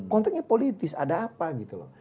konteknya politis ada apa gitu loh